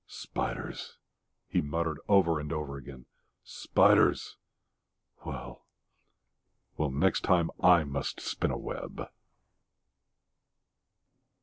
"Spiders," he muttered over and over again. "Spiders! Well, well.... The next time I must spin a web."